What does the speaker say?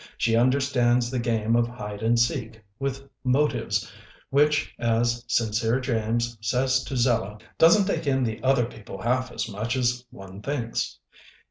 She understands the game of hide and seek with motives ŌĆö which, as Sincere James says to Zella, doesn't take in the other people half as often as one thinks.